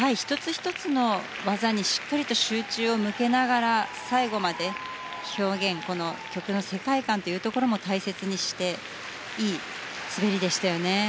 １つ１つの技にしっかりと集中を向けながら最後まで表現曲の世界観というところも大切にしていい滑りでしたよね。